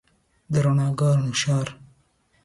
د رڼاګانو د ښار